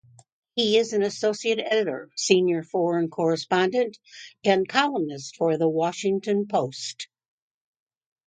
He is an associate editor, senior foreign correspondent, and columnist for "The Washington Post".